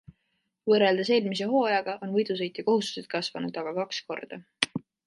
Võrreldes eelmise hooajaga on võidusõitja kohustused kasvanud aga kaks korda.